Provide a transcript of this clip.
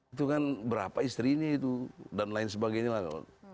itu kan berapa istrinya itu dan lain sebagainya lah